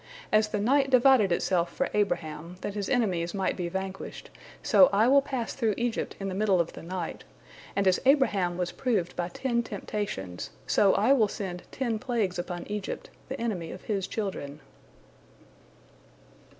As the night divided itself for Abraham, that his enemies might be vanquished, so I will pass through Egypt in the middle of the night, and as Abraham was proved by ten temptations, so I will send ten plagues upon Egypt, the enemy of his children."